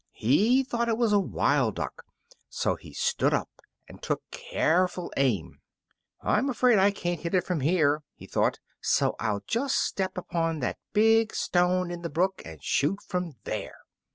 He thought it was a wild duck, so he stood up and carefully took aim. "I'm afraid I can't hit it from here," he thought, "so I'll just step upon that big stone in the brook, and shoot from there."